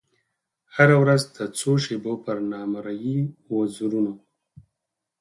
هره ورځ د څو شېبو پر نامریي وزرونو